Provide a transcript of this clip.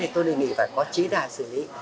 thì tôi đề nghị phải có trí đài xử lý